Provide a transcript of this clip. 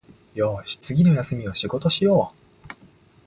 よし、次の休みは仕事しよう